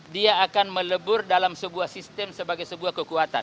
dia akan melebur dalam sebuah sistem sebagai sebuah kekuatan